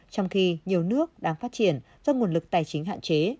trong khi nhiều nước đang phát triển do nguồn lực tài chính hạn chế